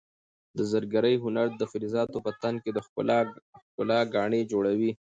د زرګرۍ هنر د فلزاتو په تن کې د ښکلا ګاڼې جوړوي.